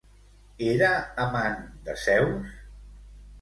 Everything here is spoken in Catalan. Era amant de Zeus?